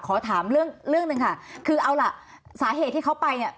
ขอถามเรื่องเรื่องหนึ่งค่ะคือเอาล่ะสาเหตุที่เขาไปเนี่ย